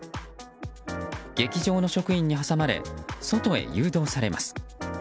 劇場の職員に挟まれ外へ誘導されます。